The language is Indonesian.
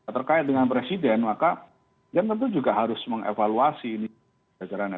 terkait dengan presiden maka dia tentu juga harus mengevaluasi ini jajarannya